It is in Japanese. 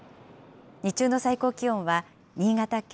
日中の最高気温は新潟県